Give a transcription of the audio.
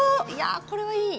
これはいい。